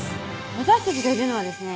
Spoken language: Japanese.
私たちがいるのはですね